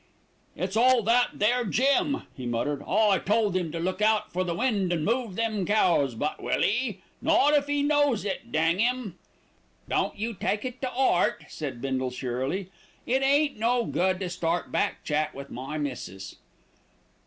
"It's all that there Jim," he muttered. "I told him to look out for the wind and move them cows; but will he? Not if he knows it, dang him." "Don't you take it to 'eart," said Bindle cheerily. "It ain't no good to start back chat with my missis."